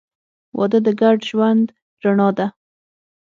• واده د ګډ ژوند رڼا ده.